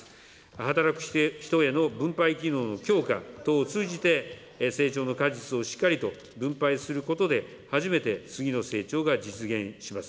働く人への分配機能の強化等を通じて、成長の果実をしっかりと分配することで、初めて次の成長が実現します。